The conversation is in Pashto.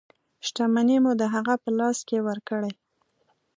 شتمنۍ مو د هغه په لاس کې ورکړې.